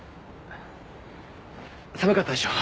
寒かったでしょう？